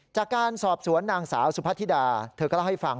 จากการสอบสวนนางสาวสุพัทธิดาเธอก็เล่าให้ฟัง